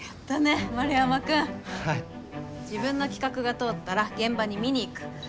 自分の企画が通ったら現場に見に行く。